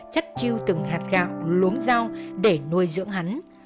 chất chiêu từng hạt gạo luống rau để nuôi dưỡng hắn